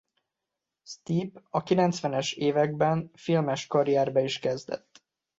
Stipe a kilencvenes években filmes karrierbe is kezdett.